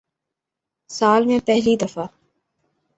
سال میں پہلی دفع